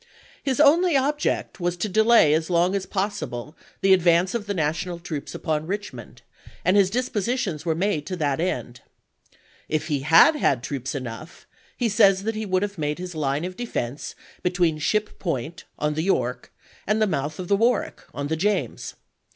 His only object was to delay as long as possible the advance YOKKTOWN 359 of the National troops upon Riclimond, and his chap. xx. dispositions were made to that end. If he had had troops enough, he says that he would have made his line of defense between Ship Point, on the York, and the mouth of the Warwick, on the James.